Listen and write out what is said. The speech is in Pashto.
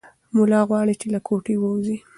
ملا غواړي چې له کوټې ووځي.